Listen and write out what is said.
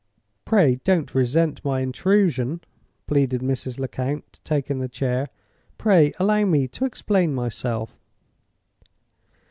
"Pray don't resent my intrusion," pleaded Mrs. Lecount, taking the chair. "Pray allow me to explain myself!"